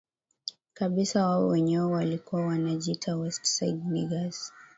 kabisa wao wenyewe walikuwa wanajiita West Side Niggaz